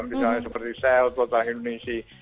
misalnya seperti shell total indonesia